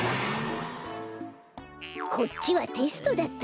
こっちはテストだったのか。